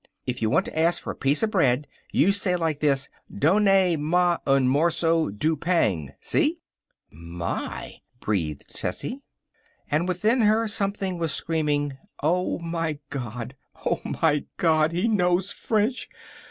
If you want to ask for a piece of bread, you say like this: DONNAY MA UN MORSO DOO PANG. See?" "My!" breathed Tessie. And within her something was screaming: Oh, my God! Oh, my God! He knows French.